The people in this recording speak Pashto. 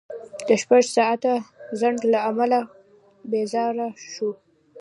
د شپږ ساعته ځنډ له امله بېزاره شوو.